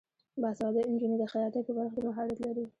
باسواده نجونې د خیاطۍ په برخه کې مهارت لري.